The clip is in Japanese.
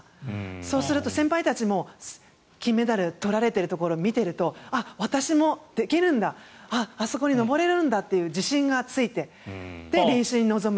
そうすると先輩たちも金メダル取られているところを見ているとあ、私もできるんだあ、あそこに上れるんだという自信がついて練習に臨む。